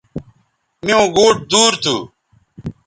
میوں گوٹ دور تھو